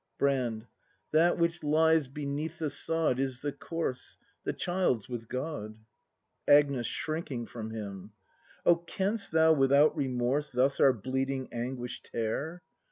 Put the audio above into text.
Brand, That which lies beneath the sod Is the corse; the child's with God. Agnes. [Shrinking from him.] Oh, canst thou without remorse Thus our bleeding anguish tear?